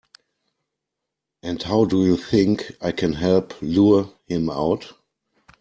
And how do you think I can help lure him out?